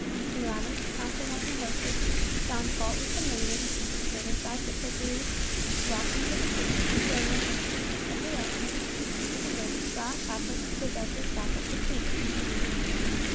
She lavished counsel on her hostess, found fault with the maidens, criticised the cookery, walked into the kitchen and still room with assistance and directions, and even made a strong effort to possess herself of the keys.